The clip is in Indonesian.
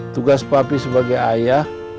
tugas papi sebagai ayah